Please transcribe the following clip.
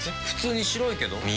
普通に白いけど。